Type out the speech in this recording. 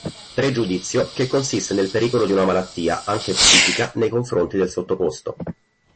Pregiudizio che consiste nel pericolo di una malattia, anche psichica, nei confronti del sottoposto.